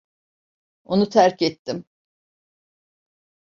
Onu terk ettim.